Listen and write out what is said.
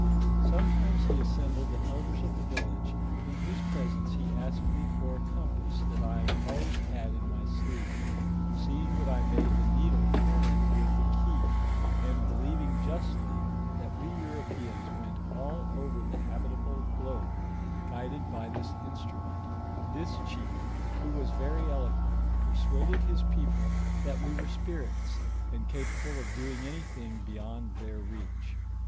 Sometimes he assembled the elders of the village, in whose presence ho asked mo for a compass that I always had in my sleeve ; seeing that I made the needle turn with a key, and believing justly that we Europeans went all over the habitable globe, guided by this instrument, this chief, who was very eloquent, persuaded his people that we were spirits, and capable of doing anything beyond their reach.